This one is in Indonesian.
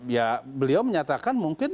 ya beliau menyatakan mungkin